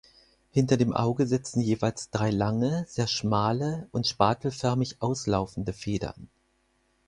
Hinter dem Auge sitzen jeweils drei lange, sehr schmale und spatelförmig auslaufende Federn.